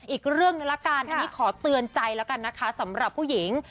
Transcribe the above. อีกเรื่องหนึ่งละกันอันนี้ขอเตือนใจแล้วกันนะคะสำหรับผู้หญิง